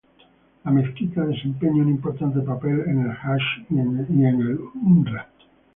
La mezquita desempeña un importante papel en el Hach y el Umra.